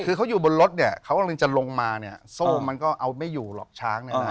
คือเขาอยู่บนรถเขากำลังจะลงมาโซ่มันก็เอาไม่อยู่หรอกช้าง